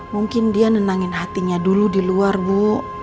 mungkin dia nenangin hatinya dulu di luar bu